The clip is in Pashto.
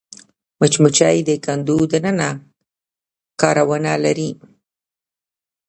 مچمچۍ د کندو دننه کارونه لري